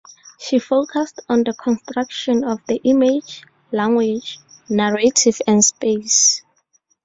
She focused on the construction of the image, language, narrative and space.